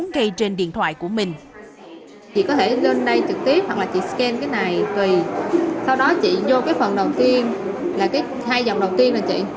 chị có thể lên đây trực tiếp hoặc là chị scan cái này thì sau đó chị vô cái phần đầu tiên là cái hai dòng đầu tiên là chị